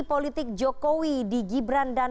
politik jokowi di gibran dan